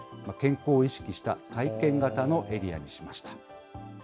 健康を意識した体験型のエリアにしました。